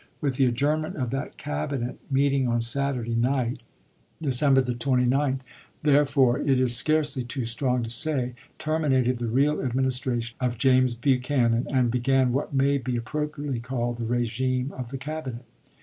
With the adjourn ment of that Cabinet meeting on Saturday night, 78 ABEAHAM LINCOLN chap. vi. December 29th, therefore (it is scarcely too strong to say), terminated the real Administration of James Buchanan, and began what may be appropriately called the regime of the Cabinet.